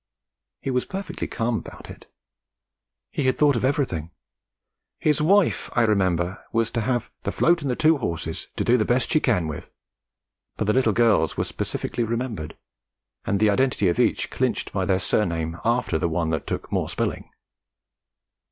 He was perfectly calm about it. He had thought of everything; his wife, I remember, was to have 'the float and the two horses, to do the best she can with'; but the little girls were specifically remembered, and the identity of each clinched by their surname after the one that took more spelling.